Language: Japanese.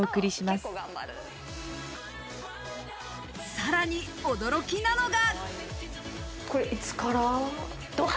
さらに驚きなのが。